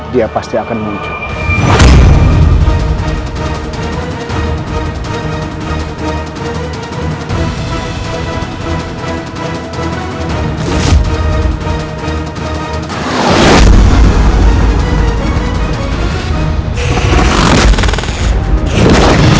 dia pasti akan muncul